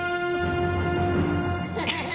フフフ。